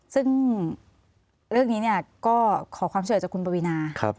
ซึ่งเรื่องนี้ก็ขอความเชื่อจากคุณปวินา